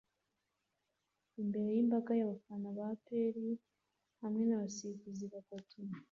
imbere yimbaga yabafana ba APR hamwe nabasifuzi batatu